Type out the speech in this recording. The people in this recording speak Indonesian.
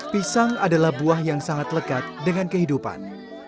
pisang adalah buah yang sangat lekat dengan kehidupan